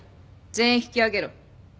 全員引き揚げろ。